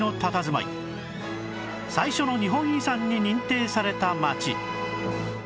最初の日本遺産に認定された町